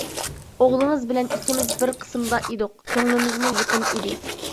ئوغلىڭىز بىلەن ئىككىمىز بىر قىسىمدا ئىدۇق، كۆڭلىمىزمۇ يېقىن ئىدى.